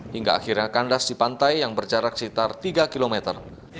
hingga akhirnya kandas di pantai yang berjarak sekitar tiga kilometer